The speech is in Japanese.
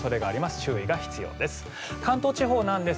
注意が必要です。